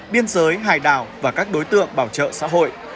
biên giới hải đảo và các đối tượng bảo trợ xã hội